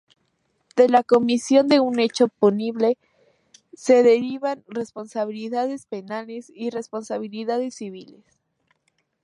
De la comisión de un hecho punible se derivan responsabilidades penales y responsabilidades civiles.